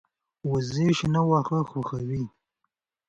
وزې شنه واښه خوښوي